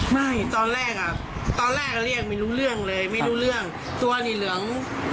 ไม่ตอนแรกเางตอนแรกเรียกไม่รู้เรื่องเลยตัวนี้เหลือง